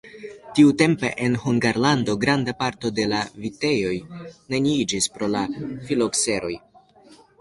Tiutempe en Hungarlando granda parto de la vitejoj neniiĝis pro la filokseroj.